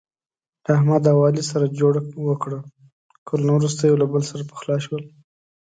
احمد او علي سره جوړه وکړه، کلونه ورسته یو له بل سره پخلا شول.